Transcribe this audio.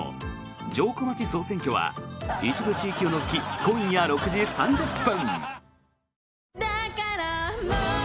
城下町総選挙」は一部地域を除き今夜６時３０分。